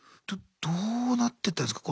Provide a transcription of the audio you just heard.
どどうなってったんですか？